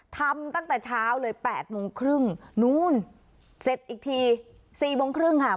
ตั้งแต่เช้าเลย๘โมงครึ่งนู้นเสร็จอีกที๔โมงครึ่งค่ะ